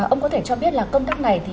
ông có thể cho biết là công tác này